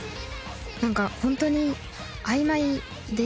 なんかホントにあいまいで。